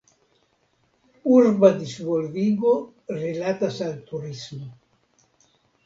Urba disvolvigo rilatas al turismo.